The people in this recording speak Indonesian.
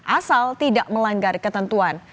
asal tidak melanggar ketentuan